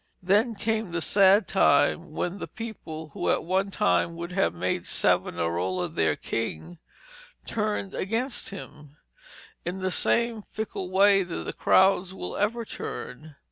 Then came the sad time when the people, who at one time would have made Savonarola their king, turned against him, in the same fickle way that crowds will ever turn.